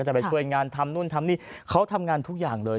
จะไปช่วยงานทำนู่นทำนี่เขาทำงานทุกอย่างเลย